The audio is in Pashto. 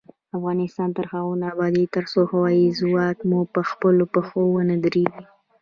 افغانستان تر هغو نه ابادیږي، ترڅو هوايي ځواک مو پخپلو پښو ونه دریږي.